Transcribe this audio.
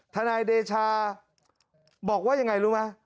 นายเดชาบอกว่ายังไงรู้ไหม